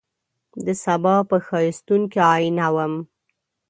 دسبا په ښایستون کي آئینه وم